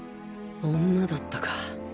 女だったか